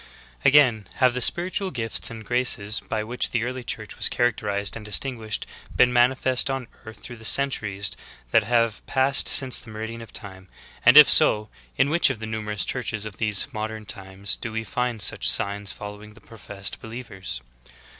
3. Again, have the spiritual gifts and graces by which the early Church was characterized and distinguished been man ifest on earth through the centuries that have passed since the meridian of time; and if so, in which of the numerous churches of these modern times do we find such signs fol lowing the professed believers?